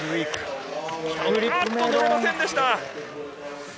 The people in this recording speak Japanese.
あっと、乗れませんでした。